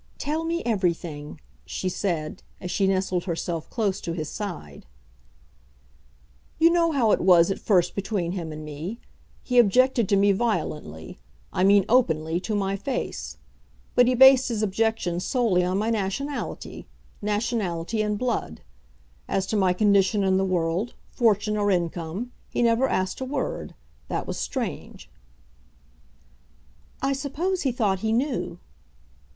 "Tell me everything," she said, as she nestled herself close to his side. "You know how it was at first between him and me. He objected to me violently, I mean openly, to my face. But he based his objection solely on my nationality, nationality and blood. As to my condition in the world, fortune, or income, he never asked a word. That was strange." "I suppose he thought he knew."